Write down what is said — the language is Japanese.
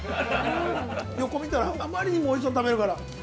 横見たら、あまりにもおいしそうに食べるから。